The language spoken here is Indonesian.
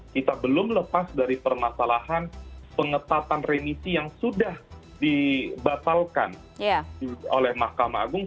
kita belum lepas dari permasalahan pengetatan remisi yang sudah dibatalkan oleh mahkamah agung